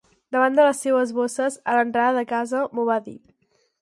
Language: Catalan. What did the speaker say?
Davant de les seues bosses, a l'entrada de casa, m'ho va dir.